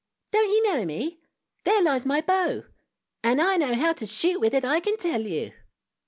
" Don't you know me? There lies my bow — and I know how to shoot with it, I can tell you!